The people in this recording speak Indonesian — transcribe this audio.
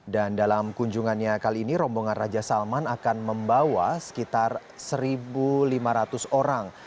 dan dalam kunjungannya kali ini rombongan raja salman akan membawa sekitar satu lima ratus orang